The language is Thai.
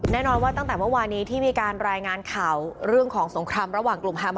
แน่นอนว่าตั้งแต่เมื่อวานี้ที่มีการรายงานข่าว